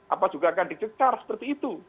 apa juga akan dicekar seperti itu